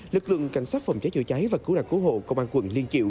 lực lượng cảnh sát phòng cháy chữa cháy và cứu nạn cứu hộ công an quận liên triệu